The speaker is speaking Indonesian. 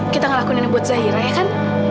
kita ngelakuin ini buat zahira ya kan